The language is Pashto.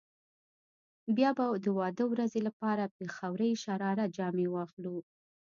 بيا به د واده ورځې لپاره پيښورۍ شراره جامې واخلو.